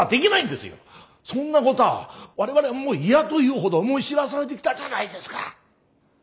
そんなことは我々はもう嫌というほど思い知らされてきたじゃないですか。